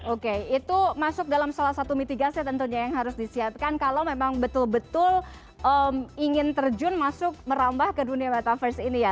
oke itu masuk dalam salah satu mitigasi tentunya yang harus disiapkan kalau memang betul betul ingin terjun masuk merambah ke dunia metaverse ini ya